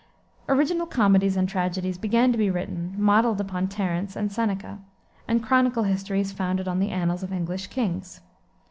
Original comedies and tragedies began to be written, modeled upon Terence, and Seneca, and chronicle histories founded on the annals of English kings.